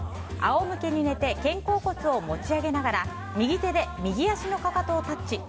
仰向けに寝て肩甲骨を持ち上げながら右手で右足のかかとをタッチ。